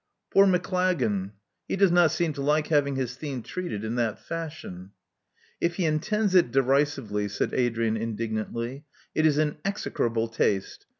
Poor Maclagan! He does not seem to like having his theme treated in that fashion." '*If he intends it derisively," said Adrian indig nantly, it is in execrable taste.